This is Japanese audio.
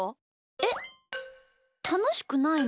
えったのしくないの？